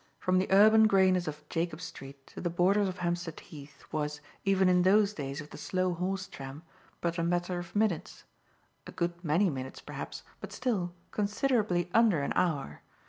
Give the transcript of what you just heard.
From the urban greyness of Jacob Street to the borders of Hampstead Heath was, even in those days of the slow horse tram, but a matter of minutes a good many minutes, perhaps, but still, considerably under an hour.